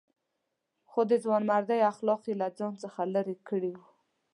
خو د ځوانمردۍ اخلاق یې له ځان څخه لرې کړي وو.